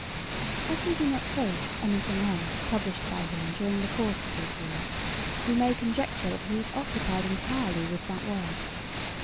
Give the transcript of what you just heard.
As we do not trace any thing else published by him during the course of this year, we may conjecture that he was occupied entirely with that work.